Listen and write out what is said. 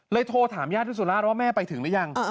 โทรถามญาติที่สุราชว่าแม่ไปถึงหรือยัง